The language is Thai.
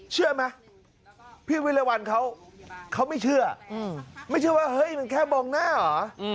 เชื่อไหมพี่วิรวรรณเขาไม่เชื่อไม่เชื่อว่าเฮ้ยมันแค่มองหน้าเหรอ